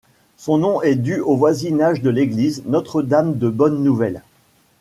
Son nom est dû au voisinage de l'église Notre-Dame-de-Bonne-Nouvelle.